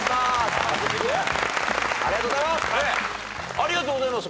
ありがとうございます。